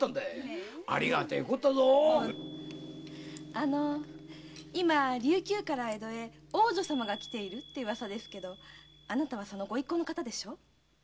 あの今琉球から江戸へ王女様が来てるって噂ですけどあなたはその御一行の方でしょ？